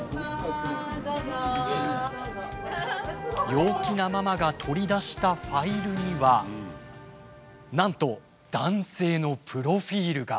陽気なママが取り出したファイルにはなんと男性のプロフィールが。